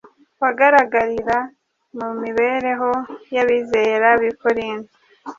wagaragarira mu mibereho y’abizera b’i korinto